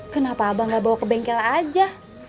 kenapa abang nggak bawa ke bengkel aja